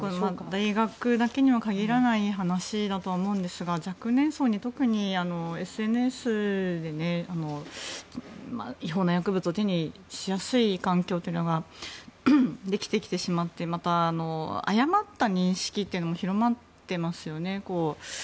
大学だけには限らない話だとは思いますが若年層に特にＳＮＳで違法な薬物を手にしやすい環境というのができてきてしまってまた、誤った認識というのも広まっていますよね。